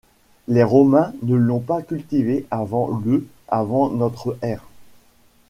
Les Romains ne l'ont pas cultivé avant le avant notre ère.